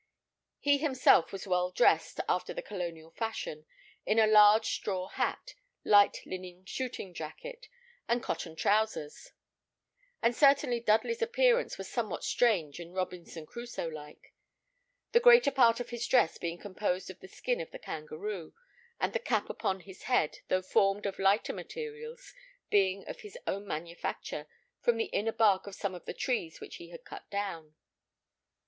He himself was well dressed after the colonial fashion, in a large straw hat, light linen shooting jacket, and cotton trousers; and certainly Dudley's appearance was somewhat strange and Robinson Crusoe like; the greater part of his dress being composed of the skin of the kangaroo, and the cap upon his head, though formed of lighter materials, being of his own manufacture from the inner bark of some of the trees which he had cut down.